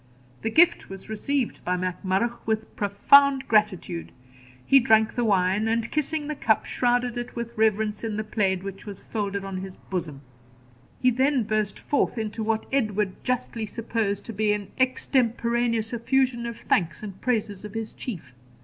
The gift was received by Mac Murrough with profound gratitude; he drank the wine, and, kissing the cup, shrouded it with reverence in the plaid which was folded on his bosom. He then burst forth into what Edward justly supposed to be an extemporaneous effusion of thanks and praises of his Chief.